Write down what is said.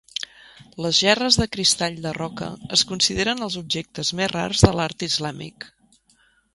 Les gerres de cristall de roca es consideren els objectes més rars de l'art islàmic.